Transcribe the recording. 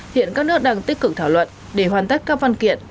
hiện các nước đang tích cực thảo luận để hoàn tất các văn kiện